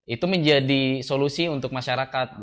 itu menjadi solusi untuk masyarakat